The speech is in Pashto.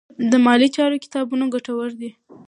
د مالي چارو کتابونه ګټور دي.